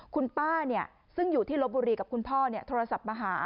คุณป้าซึ่งอยู่ที่ลบบุรีกับคุณพ่อโทรศัพท์มาหา